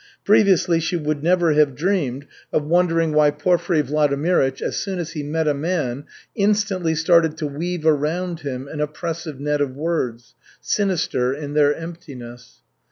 Previously she would never have dreamed of wondering why Porfiry Vladimirych, as soon as he met a man, instantly started to weave around him an oppressive net of words, sinister in their emptiness.